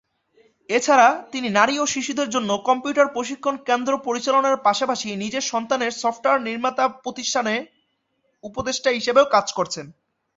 এছাড়া, তিনি নারী ও শিশুদের জন্য কম্পিউটার প্রশিক্ষণ কেন্দ্র পরিচালনার পাশাপাশি নিজের সন্তানের সফটওয়্যার নির্মাতা প্রতিষ্ঠানে উপদেষ্টা হিসেবেও কাজ করছেন।